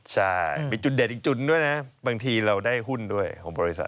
ใช่มีจุดเด่นอีกจุดด้วยนะบางทีเราได้หุ้นด้วยของบริษัท